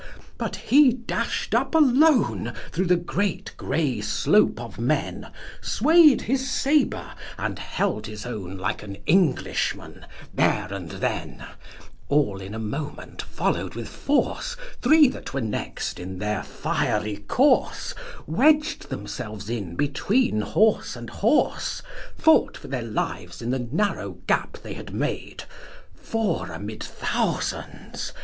but he dash'd up alone Thro' the great gray slope of men, Sway'd his sabre, and held his own Like an Englishman there and then ; All in a moment follow'd with force Three that were next in their fiery course, Wedged themselves in between horse and horse, Fought for their lives in the narrow gap they had made — Four amid thousands!